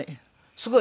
すごい。